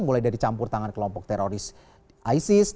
mulai dari campur tangan kelompok teroris isis